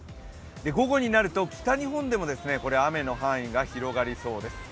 午後になると、北日本でも雨の範囲が広がりそうです。